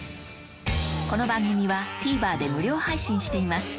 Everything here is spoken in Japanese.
この番組はＴＶｅｒで無料配信しています